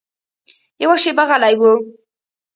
يوه شېبه غلى و.